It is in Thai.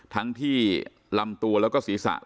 ทั้งที่ลำตัวและก็ศีรษะหลายครั้ง